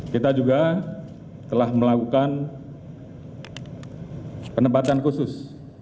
kita juga telah melakukan penempatan khusus